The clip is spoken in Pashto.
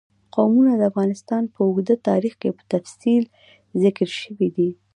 قومونه د افغانستان په اوږده تاریخ کې په تفصیل ذکر شوی دی.